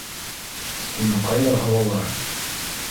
Уны ҡайҙа һалалар?